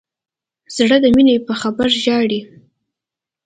زړه د مینې په خبر ژاړي.